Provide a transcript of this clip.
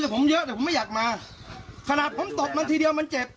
แต่ผมเยอะแต่ผมไม่อยากมาขนาดผมตบมันทีเดียวมันเจ็บ